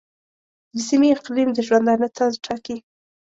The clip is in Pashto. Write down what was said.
د سیمې اقلیم د ژوندانه طرز ټاکي.